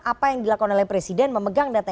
apa yang dilakukan oleh presiden memegang data